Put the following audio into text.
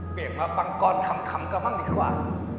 เปลี่ยนมาฟังกรทำก่อนบ้างดีกว่า